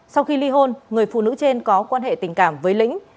sau khi ly hôn người phụ nữ trên có quan hệ tình cảm với lĩnh